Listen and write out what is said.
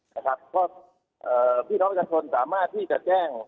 นะครับก็เอ่อพี่น้องจังทนสามารถที่จะแจ้ง